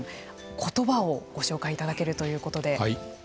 言葉をご紹介いただけるということで。